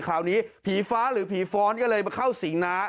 คราวนี้ผีฟ้าหรือผีฟ้อนก็เลยมาเข้าสิงน้า